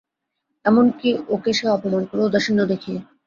এমন-কি, ওকে সে অপমান করে ঔদাসীন্য দেখিয়ে।